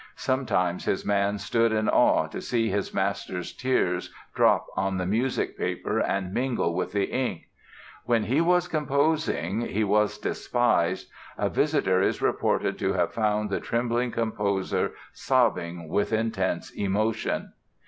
Sometimes his man stood in awe to see his master's tears drop on the music paper and mingle with the ink. "When he was composing 'He was despised' a visitor is reported to have found the trembling composer sobbing with intense emotion."